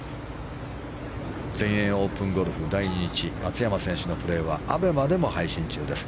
全英オープンゴルフ第２日松山選手のプレーはＡＢＥＭＡでも配信中です。